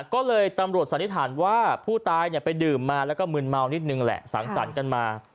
ก็เลยตำรวจสันนิษฐานว่าผู้ตายไปดื่มมาแล้วก็มึนเมานิดนึงแหละสังสรรค์กันมา